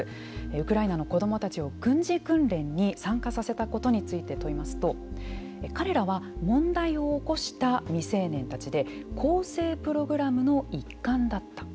ウクライナの子どもたちを軍事訓練に参加させたことについて問いますと彼らは問題を起こした未成年たちで更生プログラムの一環だった。